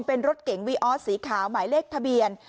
เป็นรถเก๋งวีออสสีขาวหมายเลขทะเบียน